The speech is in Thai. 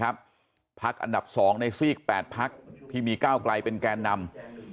พักอันดับ๒ในซีก๘พักที่มีก้าวไกลเป็นแกนนำ